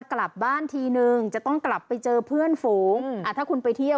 กลับบ้านทีนึงจะต้องกลับไปเจอเพื่อนฝูงถ้าคุณไปเที่ยว